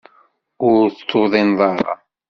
Ur tuḍineḍ ara.